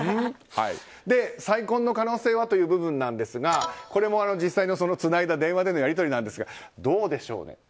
再婚の可能性はという部分ですがこれも実際のつないだ電話でのやり取りなんですがどうでしょう